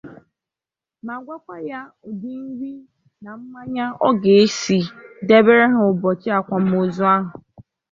ma gwakwa ya ụdị nri na mmanya ọ ga-esi debere ha ụbọchị akwamozu ahụ.